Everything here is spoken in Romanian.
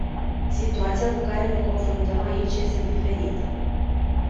Situația cu care ne confruntăm aici este diferită.